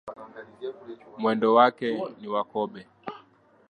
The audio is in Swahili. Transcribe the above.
Mwendo wake ni wa kobe.